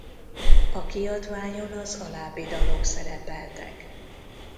A kiadványon az alábbi dalok szerepeltek.